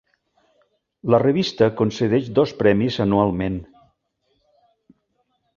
La revista concedeix dos premis anualment.